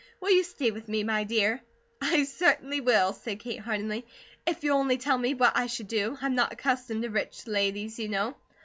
Will you stay with me, my dear?" "I certainly will," said Kate heartily. "If you'll only tell me what I should do; I'm not accustomed to rich ladies, you know."